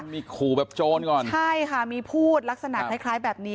มีขู่แบบโจรก่อนใช่ค่ะมีพูดลักษณะคล้ายคล้ายแบบนี้